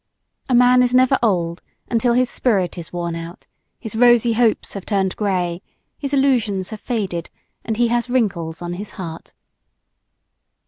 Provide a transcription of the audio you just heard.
A man is never old until his spirit is worn out, his rosy hopes have turned gray, his illusions have faded and he has wrinkles on his heart.